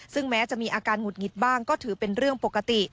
ซึ่งแม้จะมีอาการหงุดหงิดบ้างก็ถือเป็นเรื่องปกติ